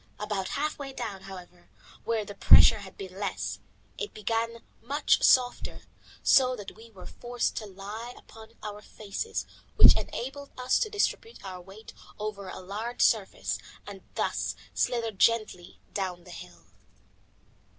About half way down, however, where the pressure had been less, it became much softer, so that we were forced to lie upon our faces, which enabled us to distribute our weight over a larger surface, and thus slither gently down the hill.